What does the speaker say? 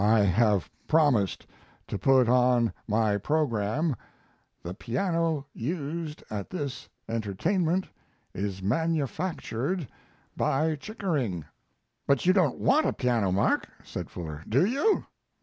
I have promised to put on my programme, 'The piano used at this entertainment is manufactured by Chickering."' "But you don't want a piano, Mark," said Fuller, "do you?"